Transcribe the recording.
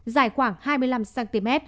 dài khoảng hai mươi năm cm